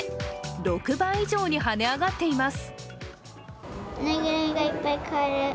６倍以上に跳ね上がっています。